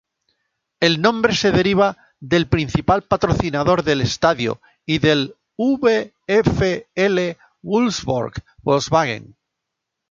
El nombre se deriva del principal patrocinador del estadio y del VfL Wolfsburg, Volkswagen.